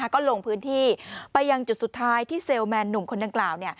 ก็ลงพื้นที่ไปยังจุดสุดท้ายที่เซลล์แมนหนุ่มคนดังกล่าว